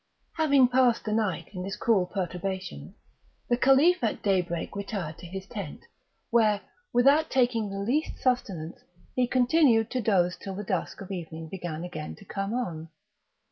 Having passed the night in this cruel perturbation, the Caliph at daybreak retired to his tent, where, without taking the least sustenance, he continued to doze till the dusk of evening began again to come on.